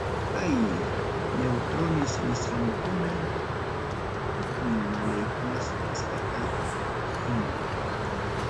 Kay neutrones nisqankuna huknin moleculas nisqata pakinman.